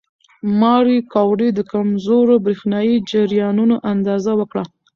ماري کوري د کمزورو برېښنايي جریانونو اندازه وکړه.